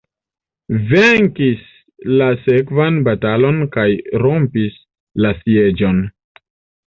Venkis la sekvan batalon kaj rompis la sieĝon.